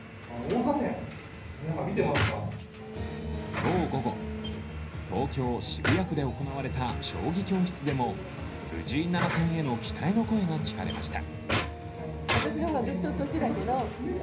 今日午後、東京・渋谷区で行われた将棋教室でも藤井七冠への期待の声が聞かれました。